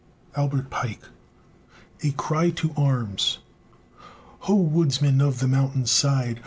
ALBERT PIKE. A CRY TO ARMS Ho, woodsmen of the mountain side!